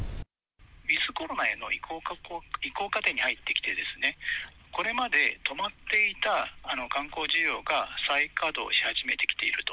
ウィズコロナへの移行過程に入ってきて、これまで止まっていた観光需要が再稼働し始めてきていると。